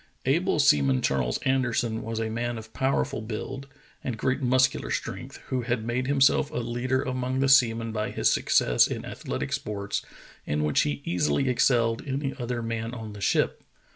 Able Seaman Charles Anderson was a man of power ful build and great muscular strength, who had made himself a leader among the seamen by his success in athletic sports, in which he easily excelled any other man on the ship.